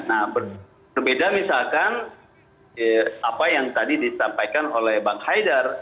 nah berbeda misalkan apa yang tadi disampaikan oleh bang haidar